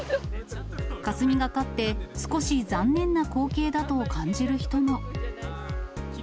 かすみがかって、少し残念な光景だと感じる人も。